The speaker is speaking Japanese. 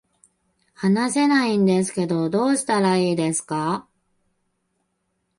話せないんですけどどうしたらいいですか